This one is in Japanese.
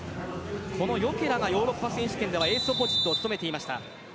このヨケラはヨーロッパ選手権ではエース、オポジットを務めていました。